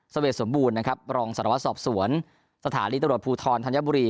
สเวสมบูรณ์รองสรวจสอบสวนสถานีตรวจภูทรธัญบุรี